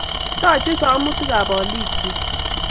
Toochei somutikab olikyik